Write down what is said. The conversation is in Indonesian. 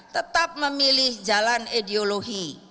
tetap memilih jalan ideologi